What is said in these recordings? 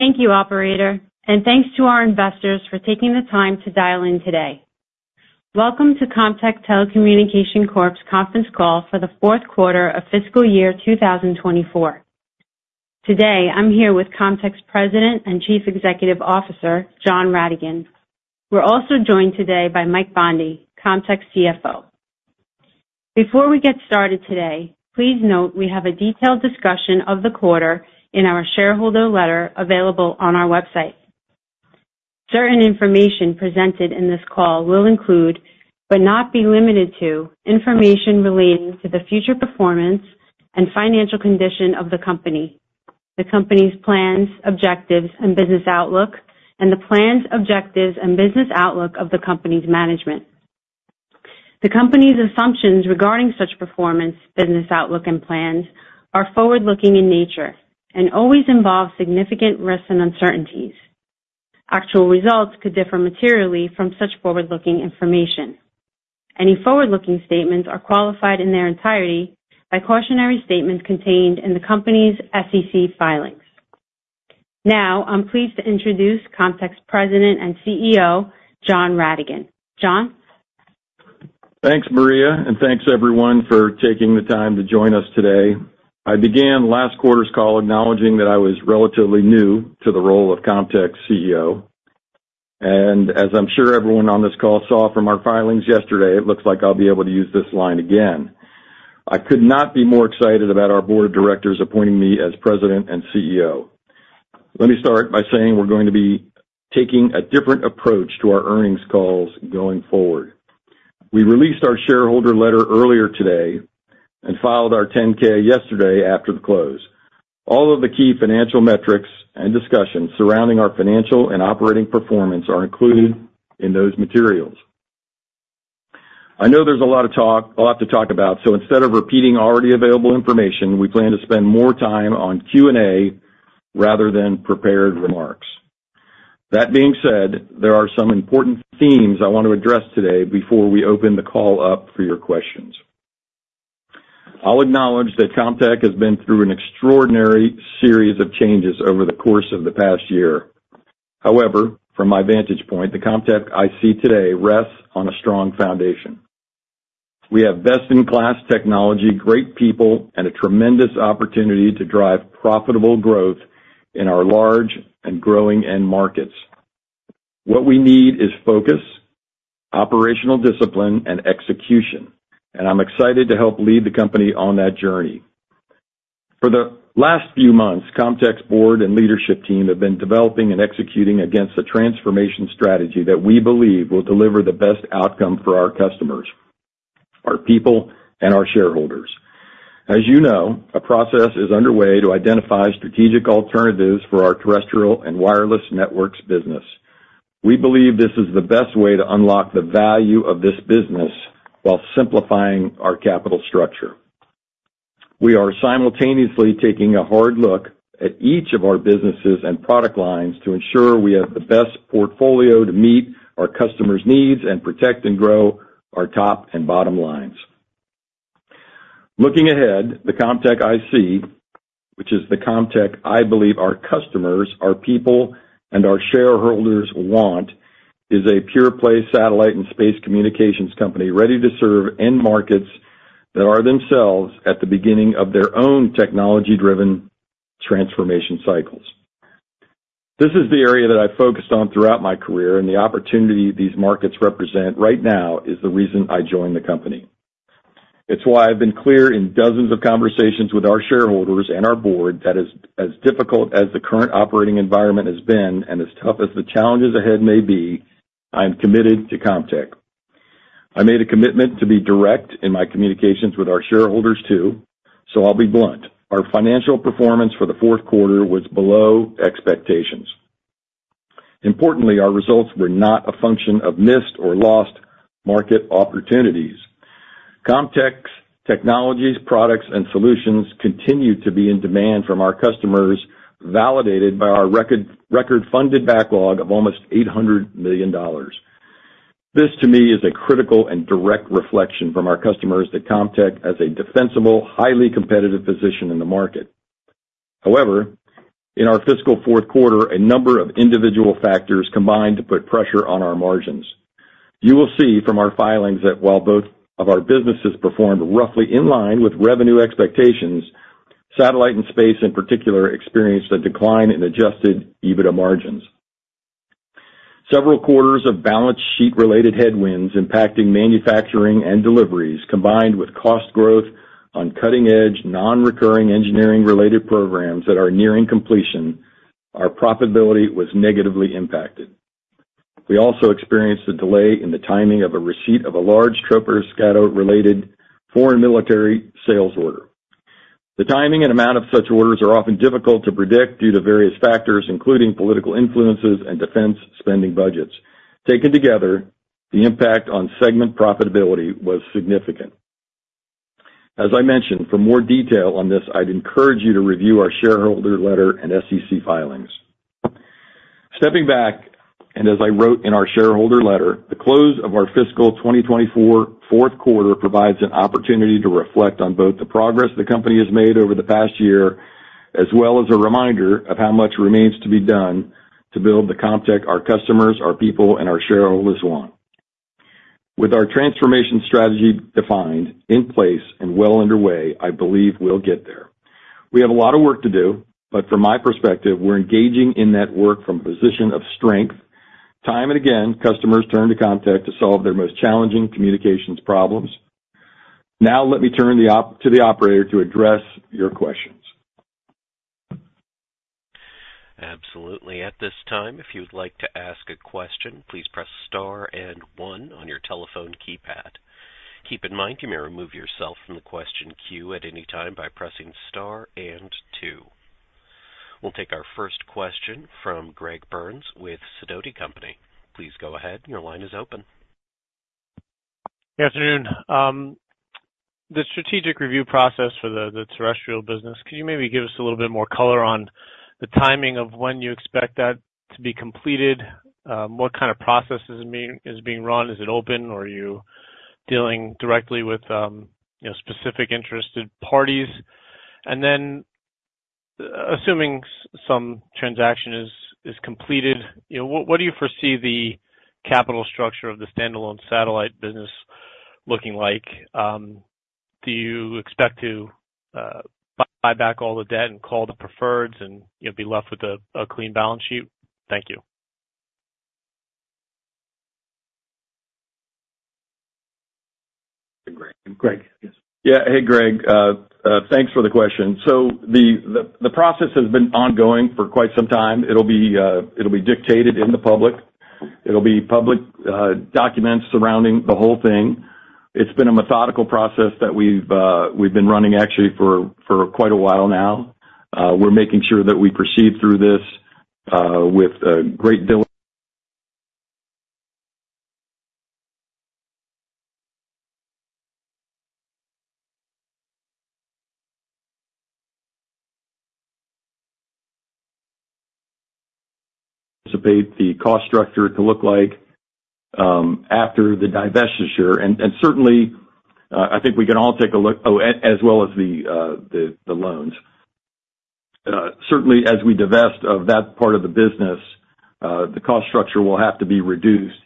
Thank you, Operator, and thanks to our investors for taking the time to dial in today. Welcome to Comtech Telecommunications Corp's conference call for the Q4 of fiscal year 2024. Today, I'm here with Comtech's President and Chief Executive Officer, John Ratigan. We're also joined today by Mike Bondi, Comtech CFO. Before we get started today, please note we have a detailed discussion of the quarter in our shareholder letter available on our website. Certain information presented in this call will include, but not be limited to, information relating to the future performance and financial condition of the company, the company's plans, objectives, and business outlook, and the plans, objectives, and business outlook of the company's management. The company's assumptions regarding such performance, business outlook, and plans are forward-looking in nature and always involve significant risks and uncertainties. Actual results could differ materially from such forward-looking information. Any forward-looking statements are qualified in their entirety by cautionary statements contained in the company's SEC filings. Now, I'm pleased to introduce Comtech's President and CEO, John Ratigan. John? Thanks, Maria, and thanks, everyone, for taking the time to join us today. I began last quarter's call acknowledging that I was relatively new to the role of Comtech's CEO. And as I'm sure everyone on this call saw from our filings yesterday, it looks like I'll be able to use this line again. I could not be more excited about our Board of Directors appointing me as President and CEO. Let me start by saying we're going to be taking a different approach to our earnings calls going forward. We released our shareholder letter earlier today and filed our 10-K yesterday after the close. All of the key financial metrics and discussions surrounding our financial and operating performance are included in those materials. I know there's a lot of talk I'll have to talk about, so instead of repeating already available information, we plan to spend more time on Q&A rather than prepared remarks. That being said, there are some important themes I want to address today before we open the call up for your questions. I'll acknowledge that Comtech has been through an extraordinary series of changes over the course of the past year. However, from my vantage point, the Comtech I see today rests on a strong foundation. We have best-in-class technology, great people, and a tremendous opportunity to drive profitable growth in our large and growing end markets. What we need is focus, operational discipline, and execution, and I'm excited to help lead the company on that journey. For the last few months, Comtech's board and leadership team have been developing and executing against a transformation strategy that we believe will deliver the best outcome for our customers, our people, and our shareholders. As you know, we believe this is the best way to unlock the value of this business while simplifying our capital structure. A process is underway to identify strategic alternatives for our terrestrial and wireless networks business. We are simultaneously taking a hard look at each of our businesses and product lines to ensure we have the best portfolio to meet our customers' needs and protect and grow our top and bottom lines. Looking ahead, the Comtech I see, which is the Comtech I believe our customers, our people, and our shareholders want, is a pure-play satellite and space communications company ready to serve end markets that are themselves at the beginning of their own technology-driven transformation cycles. This is the area that I've focused on throughout my career, and the opportunity these markets represent right now is the reason I joined the company. It's why I've been clear in dozens of conversations with our shareholders and our board that as difficult as the current operating environment has been and as tough as the challenges ahead may be, I'm committed to Comtech. I made a commitment to be direct in my communications with our shareholders too, so I'll be blunt. Our financial performance for the Q4 was below expectations. Importantly, our results were not a function of missed or lost market opportunities. Comtech's technologies, products, and solutions continue to be in demand from our customers, validated by our record-funded backlog of almost $800 million. This, to me, is a critical and direct reflection from our customers that Comtech has a defensible, highly competitive position in the market. However, in our fiscal Q4, a number of individual factors combined put pressure on our margins. You will see from our filings that while both of our businesses performed roughly in line with revenue expectations, satellite and space in particular experienced a decline in Adjusted EBITDA margins. Several quarters of balance sheet-related headwinds impacting manufacturing and deliveries, combined with cost growth on cutting-edge, non-recurring engineering-related programs that are nearing completion, our profitability was negatively impacted. We also experienced a delay in the timing of a receipt of a large Troposcatter-related Foreign Military Sales order. The timing and amount of such orders are often difficult to predict due to various factors, including political influences and defense spending budgets. Taken together, the impact on segment profitability was significant. As I mentioned, for more detail on this, I'd encourage you to review our shareholder letter and SEC filings. Stepping back, and as I wrote in our shareholder letter, the close of our fiscal 2024 Q4 provides an opportunity to reflect on both the progress the company has made over the past year as well as a reminder of how much remains to be done to build the Comtech our customers, our people, and our shareholders want. With our transformation strategy defined, in place, and well underway, I believe we'll get there. We have a lot of work to do, but from my perspective, we're engaging in that work from a position of strength. Time and again, customers turned to Comtech to solve their most challenging communications problems. Now, let me turn to the Operator to address your questions. Absolutely. At this time, if you'd like to ask a question, please press star and one on your telephone keypad. Keep in mind, you may remove yourself from the question queue at any time by pressing star and two. We'll take our first question from Greg Burns with Sidoti & Company. Please go ahead. Your line is open. Good afternoon. The strategic review process for the terrestrial business, could you maybe give us a little bit more color on the timing of when you expect that to be completed? What kind of process is being run? Is it open, or are you dealing directly with specific interested parties? And then, assuming some transaction is completed, what do you foresee the capital structure of the standalone satellite business looking like? Do you expect to buy back all the debt and call the preferreds and be left with a clean balance sheet? Thank you. Hey, Greg. Greg, yes. Yeah. Hey, Greg. Thanks for the question. So the process has been ongoing for quite some time. It'll be detailed in the public documents surrounding the whole thing. It's been a methodical process that we've been running, actually, for quite a while now. We're making sure that we proceed through this with great diligence. Anticipate the cost structure to look like after the divestiture. And certainly, I think we can all take a look, as well as the loans. Certainly, as we divest of that part of the business, the cost structure will have to be reduced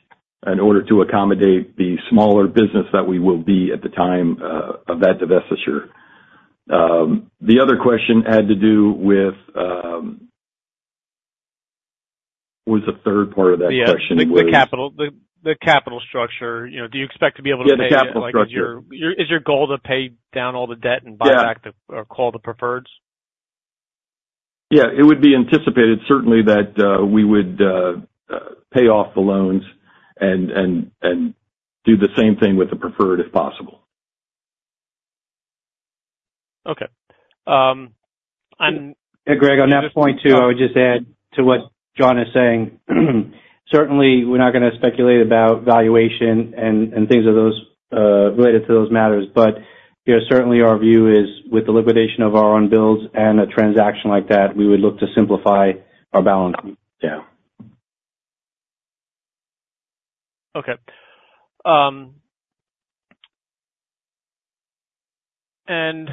in order to accommodate the smaller business that we will be at the time of that divestiture. The other question had to do with what was the third part of that question? Yeah. The capital structure. Do you expect to be able to pay it back on your- Yeah. The capital structure. Is your goal to pay down all the debt and buy back the… Yeah. Or call the preferreds? Yeah. It would be anticipated, certainly, that we would pay off the loans and do the same thing with the preferred if possible. Okay. And. Hey, Greg. On that point too, I would just add to what John is saying. Certainly, we're not going to speculate about valuation and things related to those matters. But certainly, our view is, with the liquidation of our unbilleds and a transaction like that, we would look to simplify our balance sheet. Yeah. Okay. And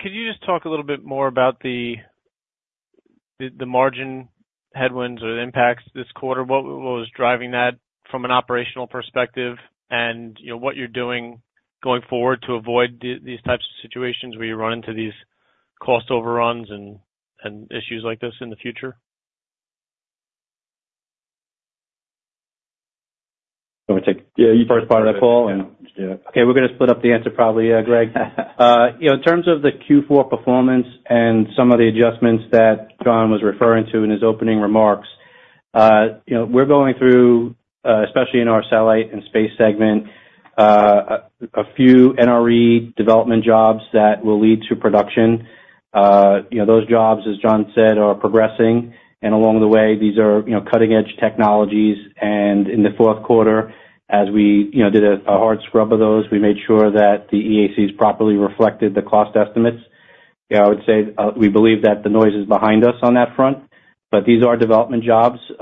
could you just talk a little bit more about the margin headwinds or the impacts this quarter? What was driving that from an operational perspective? And what you're doing going forward to avoid these types of situations where you run into these cost overruns and issues like this in the future? Let me take yeah, your first part of that call, and I'll just do that. Okay. We're going to split up the answer, probably, Greg. In terms of the Q4 performance and some of the adjustments that John was referring to in his opening remarks, we're going through, especially in our satellite and space segment, a few NRE development jobs that will lead to production. Those jobs, as John said, are progressing, and along the way, these are cutting-edge technologies, and in the Q4, as we did a hard scrub of those, we made sure that the EACs properly reflected the cost estimates. Yeah, I would say we believe that the noise is behind us on that front, but these are development jobs. We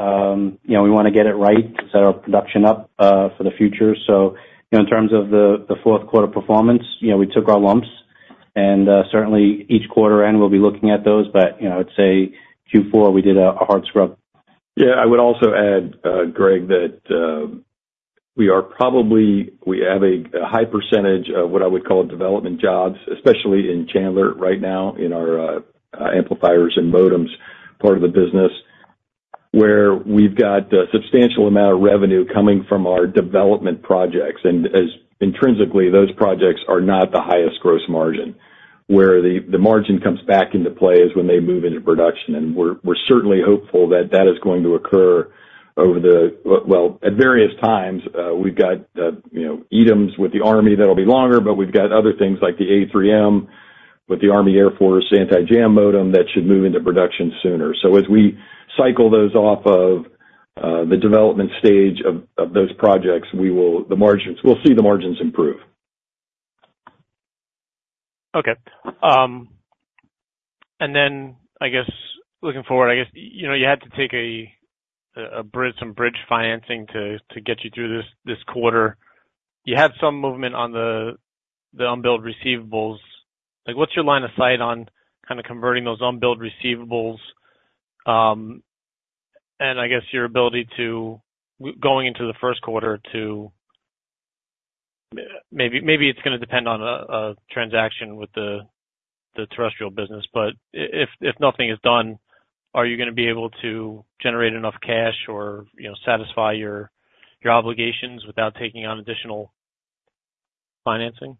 want to get it right to set our production up for the future, so in terms of the Q4 performance, we took our lumps. Certainly, each quarter end, we'll be looking at those. I would say Q4, we did a hard scrub. Yeah. I would also add, Greg, that we have a high percentage of what I would call development jobs, especially in Chandler right now in our amplifiers and modems part of the business, where we've got a substantial amount of revenue coming from our development projects. And intrinsically, those projects are not the highest gross margin. Where the margin comes back into play is when they move into production. And we're certainly hopeful that that is going to occur over the, well, at various times, we've got EDIMs with the Army that'll be longer, but we've got other things like the AJM with the Army and Air Force anti-jam modem that should move into production sooner. So as we cycle those off of the development stage of those projects, we'll see the margins improve. Okay. Then, I guess, looking forward, I guess you had to take some bridge financing to get you through this quarter. You had some movement on the unbilled receivables. What's your line of sight on kind of converting those unbilled receivables and, I guess, your ability going into the Q1 to, maybe it's going to depend on a transaction with the terrestrial business. But if nothing is done, are you going to be able to generate enough cash or satisfy your obligations without taking on additional financing?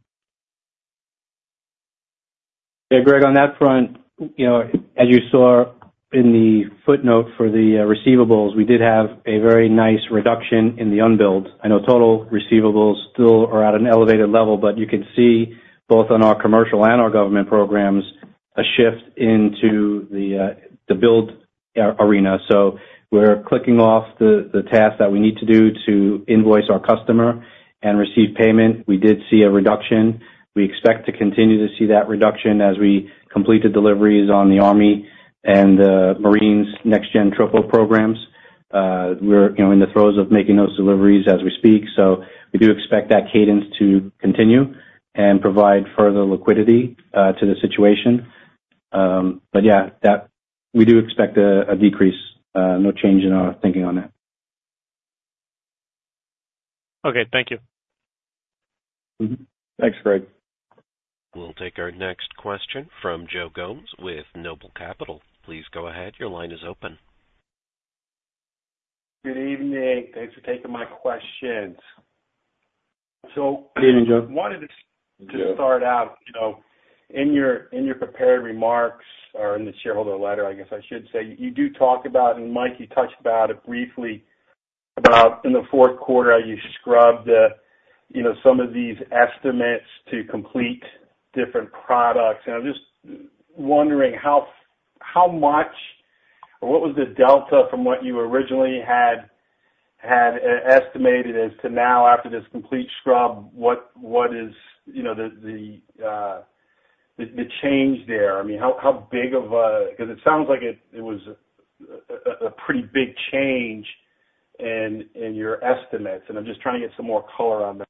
Yeah. Greg, on that front, as you saw in the footnote for the receivables, we did have a very nice reduction in the unbilled. I know total receivables still are at an elevated level, but you can see both on our commercial and our government programs a shift into the billed arena. So we're checking off the tasks that we need to do to invoice our customer and receive payment. We did see a reduction. We expect to continue to see that reduction as we complete the deliveries on the Army and the Marines' next-gen Troposcatter programs. We're in the throes of making those deliveries as we speak. So we do expect that cadence to continue and provide further liquidity to the situation. But yeah, we do expect a decrease. No change in our thinking on that. Okay. Thank you. Thanks, Greg. We'll take our next question from Joe Gomes with Noble Capital. Please go ahead. Your line is open. Good evening. Thanks for taking my questions. So. Good evening, Joe. I wanted to start out in your prepared remarks or in the shareholder letter, I guess I should say. You do talk about, and Mike, you touched about it briefly, about in the Q4 how you scrubbed some of these estimates to complete different products. And I'm just wondering how much or what was the delta from what you originally had estimated as to now, after this complete scrub, what is the change there? I mean, how big of a, because it sounds like it was a pretty big change in your estimates. And I'm just trying to get some more color on that.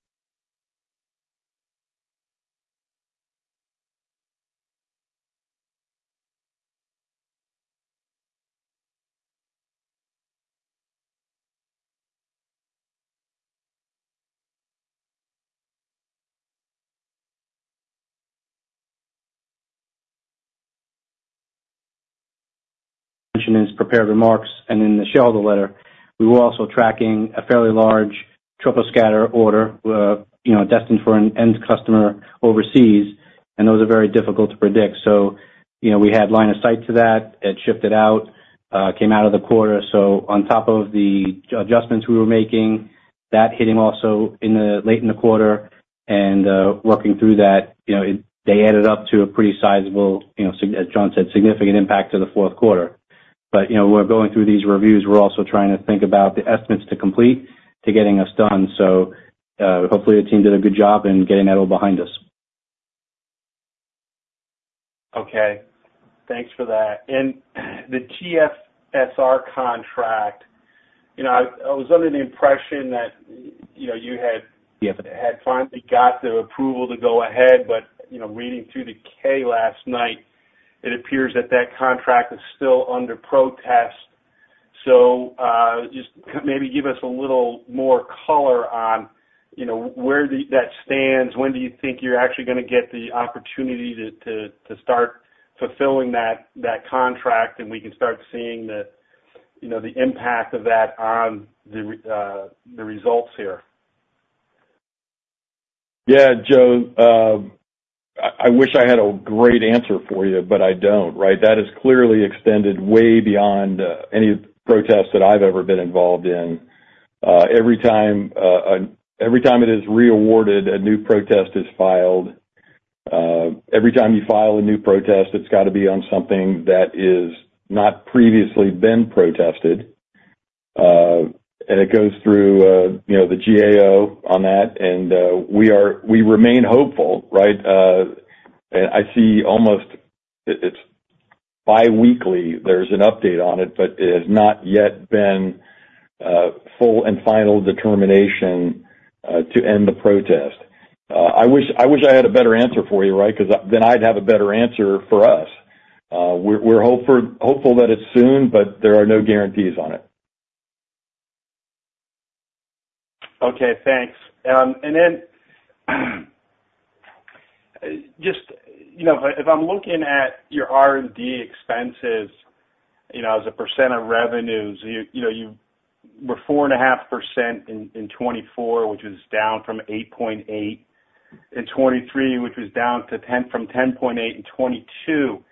Mentioned in his prepared remarks and in the shareholder letter, we were also tracking a fairly large Troposcatter order destined for an end customer overseas. And those are very difficult to predict. So we had line of sight to that. It shifted out, came out of the quarter. So on top of the adjustments we were making, that hitting also late in the quarter and working through that, they added up to a pretty sizable, as John said, significant impact to the Q4. But we're going through these reviews. We're also trying to think about the estimates at completion to getting us done. So hopefully, the team did a good job in getting that all behind us. Okay. Thanks for that. And the GFSR contract, I was under the impression that you had finally got the approval to go ahead. But reading through the K last night, it appears that that contract is still under protest. So just maybe give us a little more color on where that stands. When do you think you're actually going to get the opportunity to start fulfilling that contract, and we can start seeing the impact of that on the results here? Yeah. Joe, I wish I had a great answer for you, but I don't, right? That has clearly extended way beyond any protest that I've ever been involved in. Every time it is reawarded, a new protest is filed. Every time you file a new protest, it's got to be on something that has not previously been protested. And it goes through the GAO on that. And we remain hopeful, right? And I see almost biweekly, there's an update on it, but it has not yet been full and final determination to end the protest. I wish I had a better answer for you, right? Because then I'd have a better answer for us. We're hopeful that it's soon, but there are no guarantees on it. Okay. Thanks. And then just if I'm looking at your R&D expenses as a percent of revenues, you were 4.5% in 2024, which was down from 8.8% in 2023, which was down from 10.8% in 2022.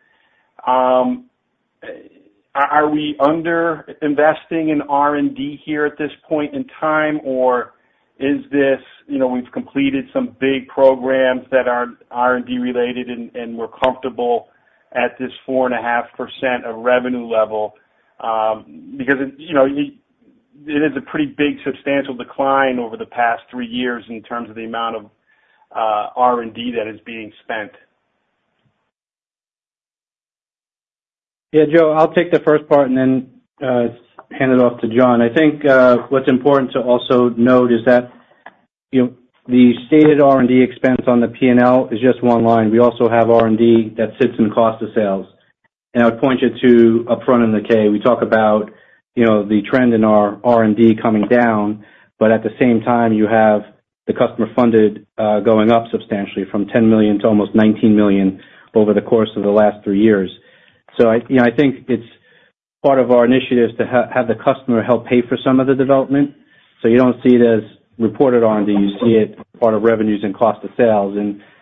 Are we under-investing in R&D here at this point in time, or is this we've completed some big programs that aren't R&D related, and we're comfortable at this 4.5% of revenue level? Because it is a pretty big substantial decline over the past three years in terms of the amount of R&D that is being spent. Yeah. Joe, I'll take the first part and then hand it off to John. I think what's important to also note is that the stated R&D expense on the P&L is just one line. We also have R&D that sits in cost of sales, and I would point you to upfront in the K. We talk about the trend in our R&D coming down, but at the same time, you have the customer funded going up substantially from $10 million to almost $19 million over the course of the last three years. So I think it's part of our initiative to have the customer help pay for some of the development. So you don't see it as reported R&D. You see it as part of revenues and cost of sales.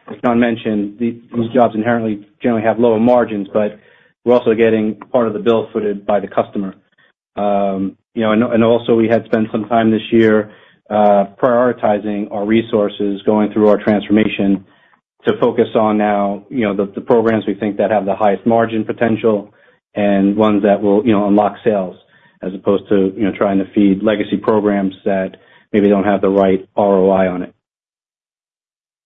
As John mentioned, these jobs inherently generally have lower margins, but we're also getting part of the bill footed by the customer. Also, we had spent some time this year prioritizing our resources going through our transformation to focus on now the programs we think that have the highest margin potential and ones that will unlock sales as opposed to trying to feed legacy programs that maybe don't have the right ROI on it.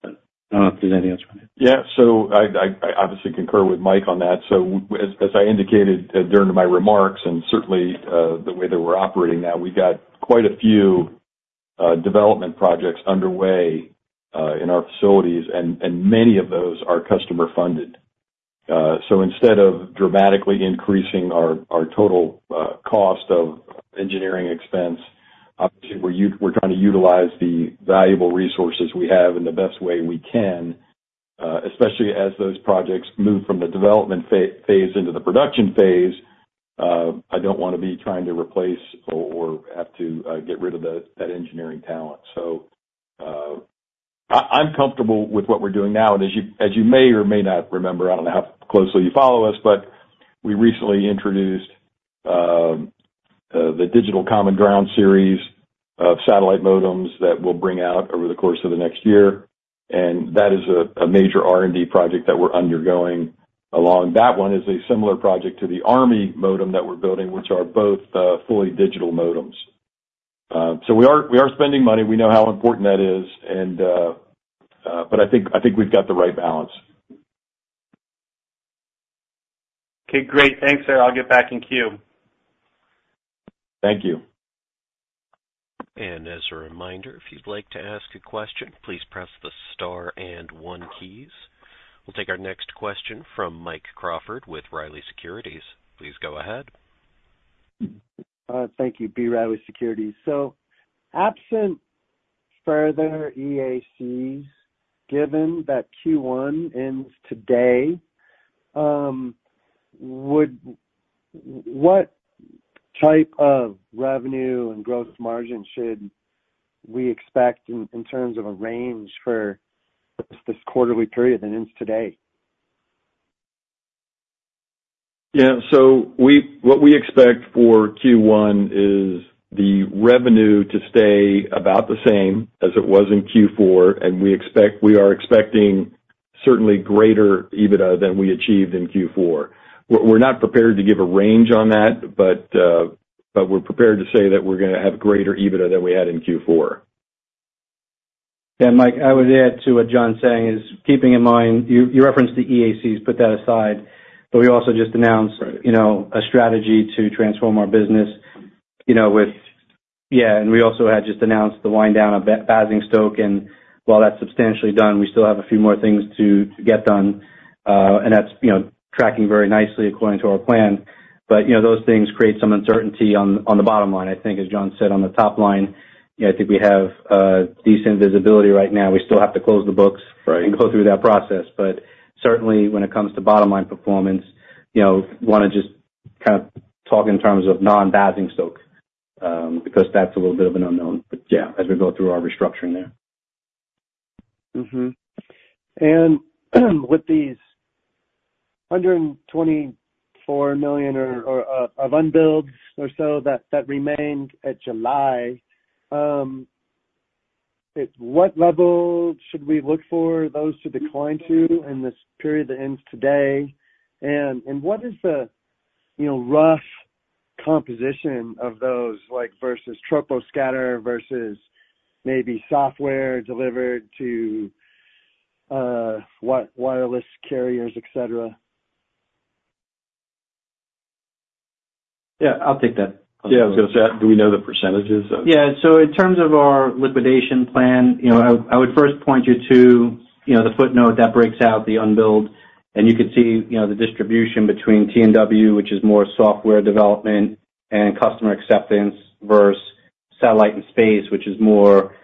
I don't know if there's anything else you want to add. Yeah. So I obviously concur with Mike on that. So as I indicated during my remarks and certainly the way that we're operating now, we've got quite a few development projects underway in our facilities, and many of those are customer funded. So instead of dramatically increasing our total cost of engineering expense, obviously, we're trying to utilize the valuable resources we have in the best way we can, especially as those projects move from the development phase into the production phase. I don't want to be trying to replace or have to get rid of that engineering talent. So I'm comfortable with what we're doing now. And as you may or may not remember, I don't know how closely you follow us, but we recently introduced the Digital Common Ground series of satellite modems that we'll bring out over the course of the next year. That is a major R&D project that we're undergoing. That one is a similar project to the Army modem that we're building, which are both fully digital modems. We are spending money. We know how important that is. I think we've got the right balance. Okay. Great. Thanks, sir. I'll get back in queue. Thank you. As a reminder, if you'd like to ask a question, please press the star and one keys. We'll take our next question from Mike Crawford with B. Riley Securities. Please go ahead. Thank you. B. Riley Securities. So absent further EACs, given that Q1 ends today, what type of revenue and gross margin should we expect in terms of a range for this quarterly period that ends today? Yeah. So what we expect for Q1 is the revenue to stay about the same as it was in Q4. And we are expecting certainly greater EBITDA than we achieved in Q4. We're not prepared to give a range on that, but we're prepared to say that we're going to have greater EBITDA than we had in Q4. Yeah. Mike, I would add to what John's saying is keeping in mind you referenced the EACs. Put that aside, but we also just announced a strategy to transform our business with. Yeah, and we also had just announced the wind down of Basingstoke. And while that's substantially done, we still have a few more things to get done. And that's tracking very nicely according to our plan. But those things create some uncertainty on the bottom line, I think, as John said. On the top line, I think we have decent visibility right now. We still have to close the books and go through that process. But certainly, when it comes to bottom-line performance, I want to just kind of talk in terms of non-Basingstoke because that's a little bit of an unknown. But yeah, as we go through our restructuring there. And with these $124 million of unbilled or so that remained at July, what level should we look for those to decline to in this period that ends today? And what is the rough composition of those versus troposcatter versus maybe software delivered to wireless carriers, etc.? Yeah. I'll take that. Yeah. I was going to say, do we know the percentages of? Yeah. So in terms of our liquidation plan, I would first point you to the footnote that breaks out the unbilled. And you could see the distribution between T&W, which is more software development and customer acceptance, versus satellite and space, which is more,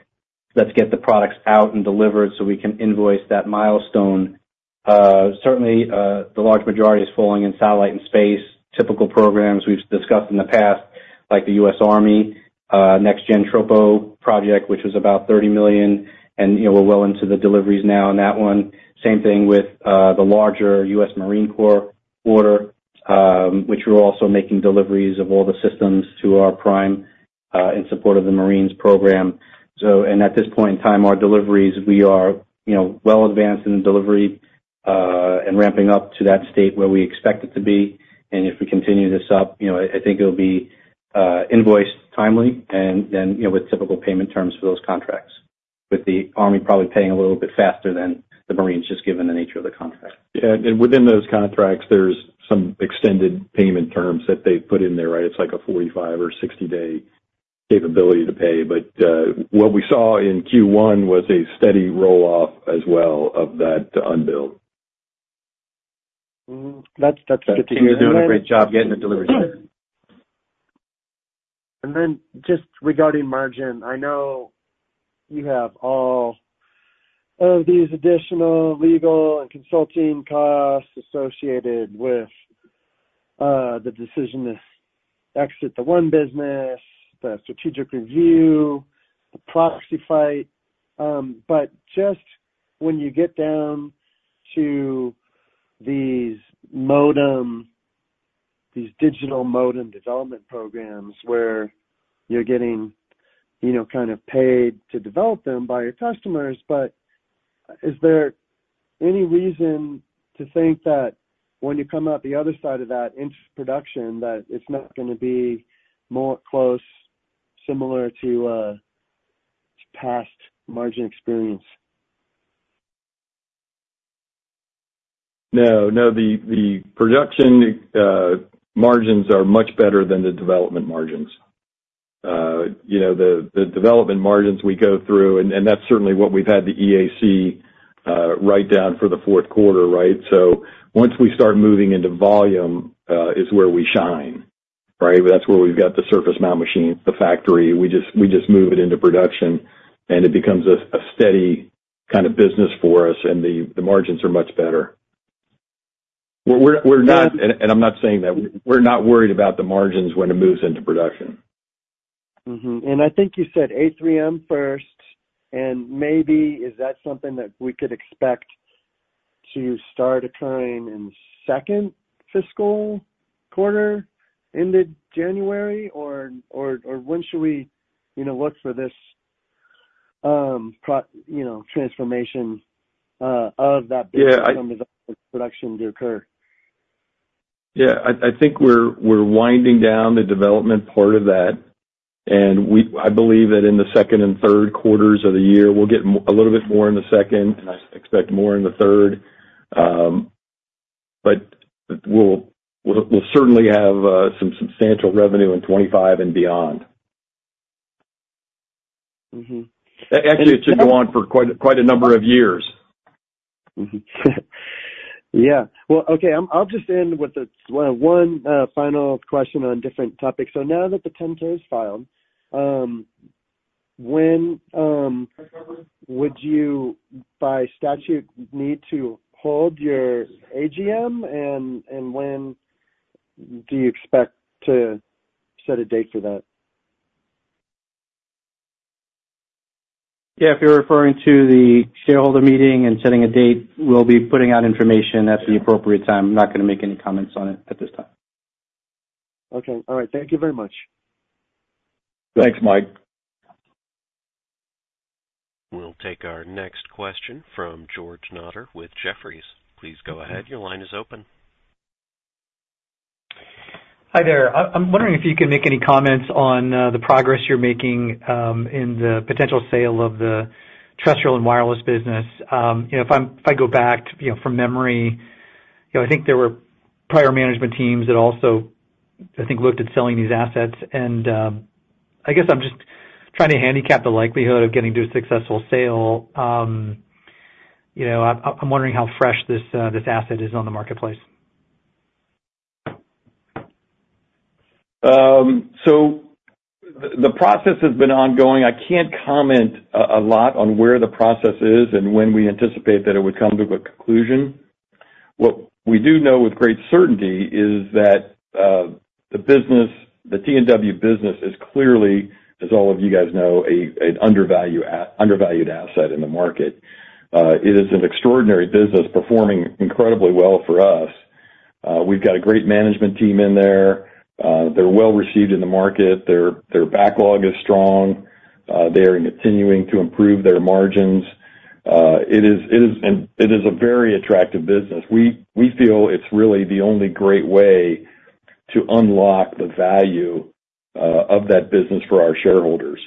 "Let's get the products out and delivered so we can invoice that milestone." Certainly, the large majority is falling in satellite and space. Typical programs we've discussed in the past, like the U.S. Army next-gen troposcatter project, which was about $30 million. And we're well into the deliveries now on that one. Same thing with the larger U.S. Marine Corps order, which we're also making deliveries of all the systems to our prime in support of the Marines program. And at this point in time, our deliveries, we are well advanced in the delivery and ramping up to that state where we expect it to be. If we continue this up, I think it'll be invoiced timely and then with typical payment terms for those contracts, with the Army probably paying a little bit faster than the Marines just given the nature of the contract. Yeah. And within those contracts, there's some extended payment terms that they've put in there, right? It's like a 45- or 60-day capability to pay. But what we saw in Q1 was a steady roll-off as well of that unbilled. That's good to hear. You're doing a great job getting the deliveries done. And then, just regarding margin, I know you have all of these additional legal and consulting costs associated with the decision to exit the one business, the strategic review, the proxy fight. But just when you get down to these digital modem development programs where you're getting kind of paid to develop them by your customers, but is there any reason to think that when you come out the other side of that into production, that it's not going to be more close, similar to past margin experience? No. No. The production margins are much better than the development margins. The development margins we go through, and that's certainly what we've had the EAC write down for the Q4, right? So once we start moving into volume is where we shine, right? That's where we've got the surface-mount machines, the factory. We just move it into production, and it becomes a steady kind of business for us, and the margins are much better. And I'm not saying that we're not worried about the margins when it moves into production. I think you said A3M first. Maybe, is that something that we could expect to start occurring in second fiscal quarter ended January, or when should we look for this transformation of that business from production to occur? Yeah. I think we're winding down the development part of that. And I believe that in the second and Q3s of the year, we'll get a little bit more in the second, and I expect more in the third. But we'll certainly have some substantial revenue in 2025 and beyond. Actually, it should go on for quite a number of years. Yeah. Well, okay. I'll just end with one final question on different topics. So now that the 10-K is filed, when would you, by statute, need to hold your AGM, and when do you expect to set a date for that? Yeah. If you're referring to the shareholder meeting and setting a date, we'll be putting out information at the appropriate time. I'm not going to make any comments on it at this time. Okay. All right. Thank you very much. Thanks, Mike. We'll take our next question from George Notter with Jefferies. Please go ahead. Your line is open. Hi there. I'm wondering if you can make any comments on the progress you're making in the potential sale of the terrestrial and wireless business? If I go back from memory, I think there were prior management teams that also, I think, looked at selling these assets. And I guess I'm just trying to handicap the likelihood of getting to a successful sale. I'm wondering how fresh this asset is on the marketplace? So the process has been ongoing. I can't comment a lot on where the process is and when we anticipate that it would come to a conclusion. What we do know with great certainty is that the T&W business is clearly, as all of you guys know, an undervalued asset in the market. It is an extraordinary business performing incredibly well for us. We've got a great management team in there. They're well received in the market. Their backlog is strong. They are continuing to improve their margins. It is a very attractive business. We feel it's really the only great way to unlock the value of that business for our shareholders.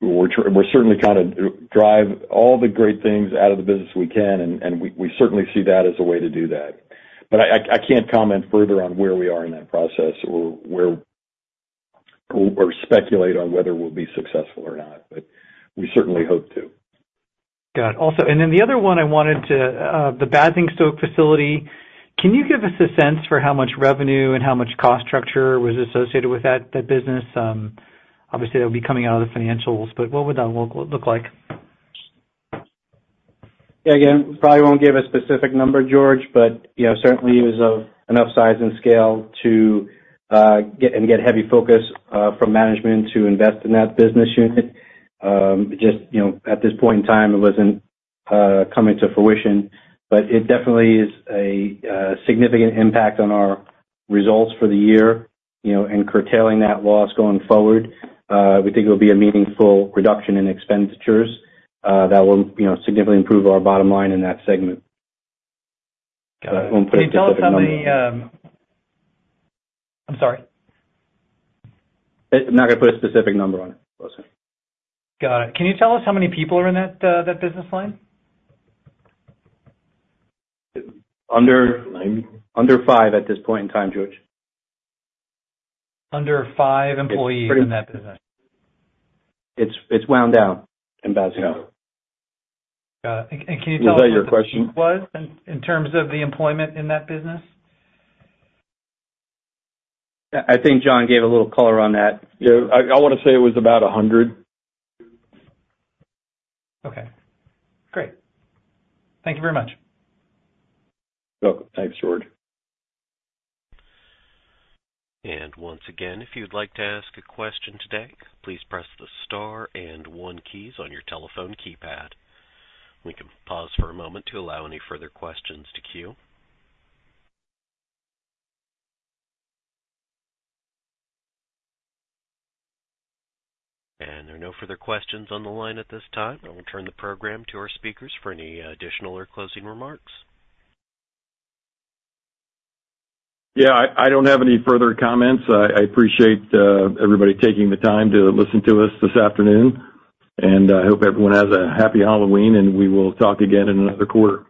We're certainly trying to drive all the great things out of the business we can, and we certainly see that as a way to do that. But I can't comment further on where we are in that process or speculate on whether we'll be successful or not. But we certainly hope to. Got it. Also, and then the other one I wanted to, the Basingstoke facility, can you give us a sense for how much revenue and how much cost structure was associated with that business? Obviously, that would be coming out of the financials. But what would that look like? Yeah. Again, probably won't give a specific number, George, but certainly it was of enough size and scale to get heavy focus from management to invest in that business unit. Just at this point in time, it wasn't coming to fruition. But it definitely is a significant impact on our results for the year and curtailing that loss going forward. We think it will be a meaningful reduction in expenditures that will significantly improve our bottom line in that segment. We won't put a specific number on it. Got it. Can you tell us how many - I'm sorry. I'm not going to put a specific number on it. Got it. Can you tell us how many people are in that business line? Under five at this point in time, George. Under five employees in that business. It's wound down in Basingstoke. Got it. And can you tell us how cheap it was in terms of the employment in that business? I think John gave a little color on that. Yeah. I want to say it was about 100. Okay. Great. Thank you very much. You're welcome. Thanks, George. Once again, if you'd like to ask a question today, please press the star and one keys on your telephone keypad. We can pause for a moment to allow any further questions to queue. There are no further questions on the line at this time. I will turn the program to our speakers for any additional or closing remarks. Yeah. I don't have any further comments. I appreciate everybody taking the time to listen to us this afternoon. And I hope everyone has a happy Halloween, and we will talk again in another quarter.